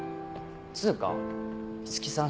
っつうか五木さん